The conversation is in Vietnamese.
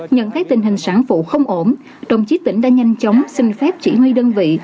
nhận thấy tình hình sản phụ không ổn đồng chí tỉnh đã nhanh chóng xin phép chỉ huy đơn vị